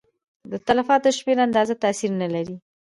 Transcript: د تلفاتو د شمېر اندازه تاثیر نه لري.